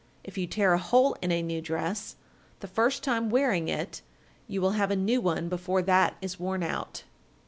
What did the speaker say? If you tear a hole in a new dress, the first time wearing it, you will have a new one before that is worn out.